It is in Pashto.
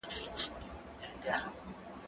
زه پرون ليک ولوست؟